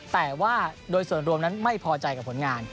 แต่ว่าโดยส่วนรวมนั้นไม่พอใจกับผลงาน